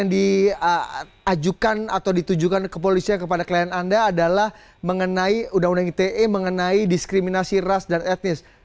di ajukan atau ditujukan ke polisnya kepada klien anda adalah mengenai udah undang undang ite mengenai diskriminasi ras dan etnis